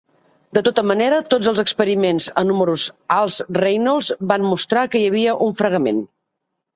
De tota manera, tots els experiments a números alts Reynolds van mostrar que hi havia un fregament.